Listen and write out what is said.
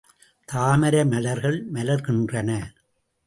தாமரை மலர்கள் மலர்கின்றன.